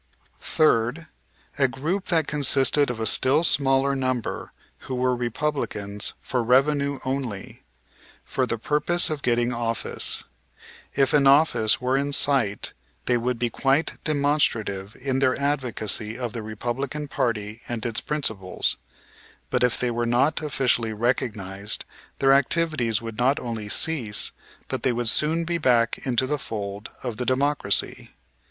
Third, a group that consisted of a still smaller number who were Republicans for revenue only, for the purpose of getting office. If an office were in sight they would be quite demonstrative in their advocacy of the Republican party and its principles; but if they were not officially recognized, their activities would not only cease, but they would soon be back into the fold of the Democracy.